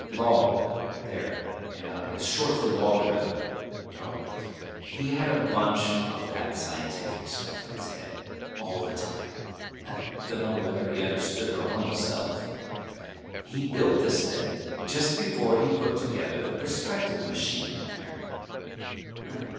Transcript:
Log, there, is short for logarithm. Oh, he had a bunch of that scientific stuff in his head all the time; dunno whether he understood it all himself. He built this thing just before he put together the perspective machine there.